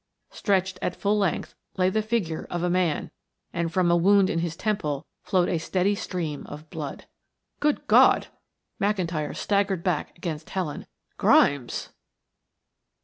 Stretched at full length lay the figure of a man, and from a wound in his temple flowed a steady stream of blood. "Good God!" McIntyre staggered back against Helen. "Grimes!"